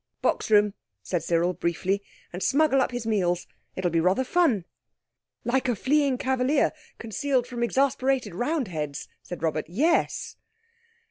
"Box room," said Cyril briefly, "and smuggle up his meals. It will be rather fun." "Like a fleeing Cavalier concealed from exasperated Roundheads," said Robert. "Yes."